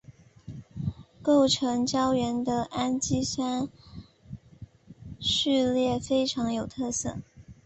构成胶原的氨基酸序列非常有特色。